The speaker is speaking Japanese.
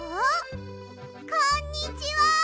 こんにちは！